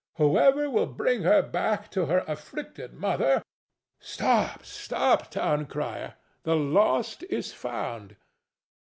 Whoever will bring her back to her afflicted mother—" Stop, stop, town crier! The lost is found.